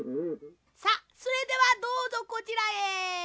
さっそれではどうぞこちらへ。